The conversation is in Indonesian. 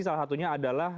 salah satunya adalah